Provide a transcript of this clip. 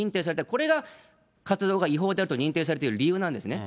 これが、活動が違法であると認定されている理由なんですね。